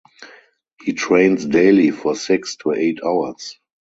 He trains daily for six to eight hours.